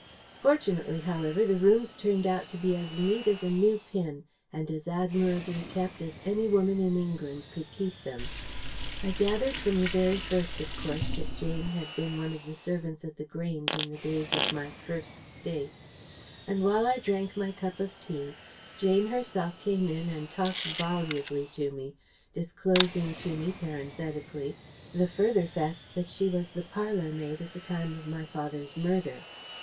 Fortunately, however, the rooms turned out to be as neat as a new pin, and as admirably kept as any woman in England could keep them. I gathered from the very first, of course, that Jane had been one of the servants at The Grange in the days of my First State; and while I drank my cup of tea, Jane herself came in and talked volubly to me, disclosing to me, parenthetically, the further fact that she was the parlour maid at the time of my father's murder.